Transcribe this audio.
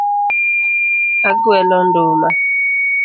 Agwelo nduma.